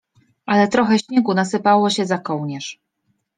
Ale trochę śniegu nasypało się za kołnierz.